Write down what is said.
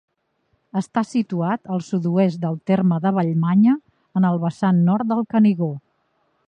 Està situat al sud-oest del terme de Vallmanya, en el vessant nord del Canigó.